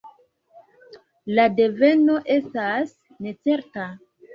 La deveno estas necerta.